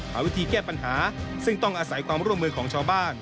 วิธีแก้ปัญหาซึ่งต้องอาศัยความร่วมมือของชาวบ้าน